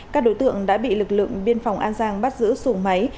các đối tượng đã bị lực lượng biên phòng an giang bắt giữ xuồng máy